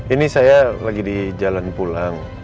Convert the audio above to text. ini saya lagi di jalan pulang